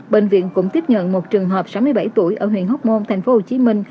bệnh viện cũng tiếp nhận một trường hợp sáu mươi bảy tuổi ở huyện hóc môn tp hcm